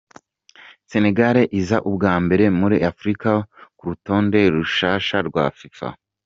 Senegal iza ubwa mbere muri Afrika ku rutonde rushasha rwa Fifa.